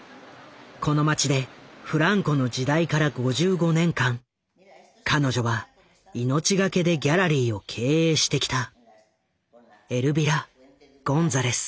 この街でフランコの時代から５５年間彼女は命懸けでギャラリーを経営してきた。